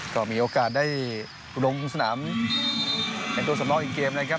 ก็มีโอกาสได้ลงสนามเป็นตัวสำรองอีกเกมนะครับ